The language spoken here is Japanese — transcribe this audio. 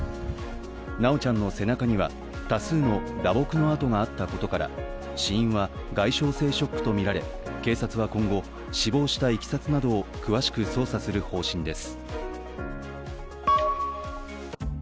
修ちゃんの背中には多数の打撲の痕があったことから、死因は外傷性ショックとみられ警察は今後、死亡したいきさつなどを詳しく捜査する方針です。